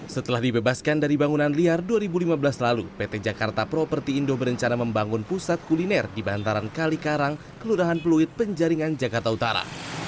setelah dibebaskan dari bangunan liar dua ribu lima belas lalu pt jakarta property indo berencana membangun pusat kuliner di bantaran kalikarang kelurahan peluit penjaringan jakarta utara